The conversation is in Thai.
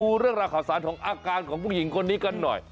ดูเรื่องราวข่าวสารของอาการของผู้หญิงคนนี้กันหน่อย